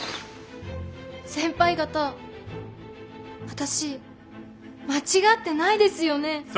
先輩方私間違ってないですよねぇ。